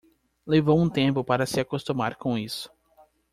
Levou um tempo para se acostumar com isso.